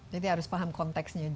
jadi harus paham konteksnya juga ya